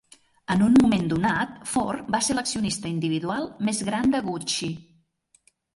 En un moment donat, Ford va ser l'accionista individual més gran de Gucci.